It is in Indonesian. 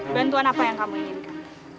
bantuan apa yang kamu inginkan